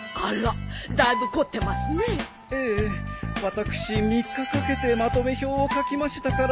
私３日かけてまとめ表を書きましたからその疲れが。